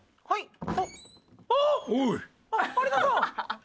はい。